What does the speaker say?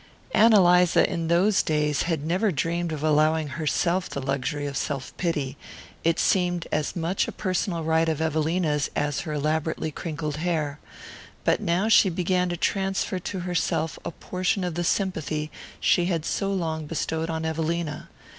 Ann Eliza, in those days, had never dreamed of allowing herself the luxury of self pity: it seemed as much a personal right of Evelina's as her elaborately crinkled hair. But now she began to transfer to herself a portion of the sympathy she had so long bestowed on Evelina.